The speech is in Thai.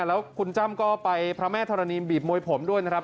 แล้วคุณจ้ำก็ไปพระแม่ธรณีบีบมวยผมด้วยนะครับ